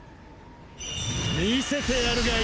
見せてやるがいい！